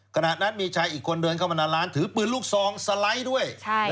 ขณะนั้นมีชายอีกคนเดินเข้ามาในร้านถือปืนลูกซองสไลด์ด้วย